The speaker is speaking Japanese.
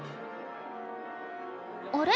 あれ？